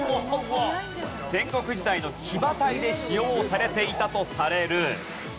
戦国時代の騎馬隊で使用されていたとされる。